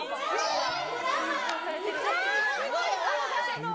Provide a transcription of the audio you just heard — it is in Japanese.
すごい。